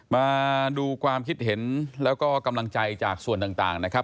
มาดูความคิดเห็นแล้วก็กำลังใจจากส่วนต่างนะครับ